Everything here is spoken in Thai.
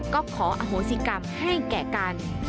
ก็ขออโหสิกรรมให้แก่กัน